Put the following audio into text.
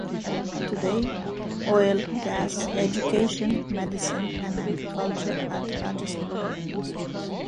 Today, oil, gas, education, medicine and agriculture are the largest local industries.